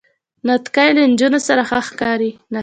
نتکۍ له نجونو سره ښه ښکاری.